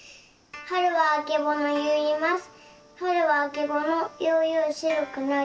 「春はあけぼの」ゆいます。